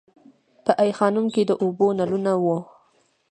په ای خانم کې د اوبو نلونه وو